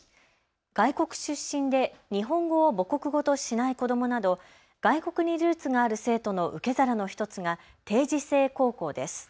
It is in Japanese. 外国出身で日本語を母国語としない子どもなど外国にルーツがある生徒の受け皿の１つが定時制高校です。